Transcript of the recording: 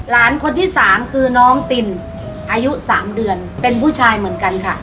หลานคนที่สามคือน้องตินอายุ๓เดือนเป็นผู้ชายเหมือนกันค่ะ